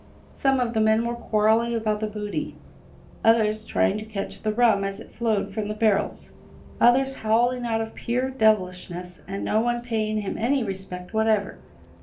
Some of the men were quarrelling about the booty; others trying to catch the rum as it flowed from the barrels; others howling out of pure devilishness, and no one paying him any respect whatever.